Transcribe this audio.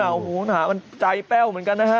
โอ้โหหนามันใจแป้วเหมือนกันนะฮะ